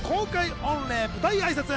御礼舞台挨拶。